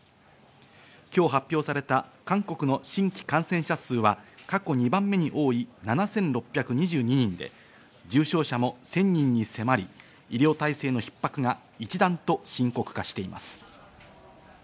今日発表された韓国の新規感染者数は過去２番目に多い７６２２人で、重症者も１０００人に迫り医療体制の逼迫が一段と深刻化しています。